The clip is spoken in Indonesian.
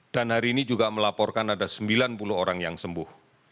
dan hari ini juga melaporkan ada sembilan puluh orang yang sembuh